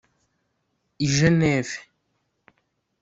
i Genève